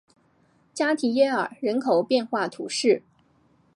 加提耶尔人口变化图示